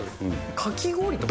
かき氷とか？